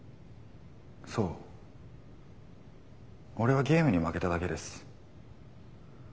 そうオレはゲームに負けただけです。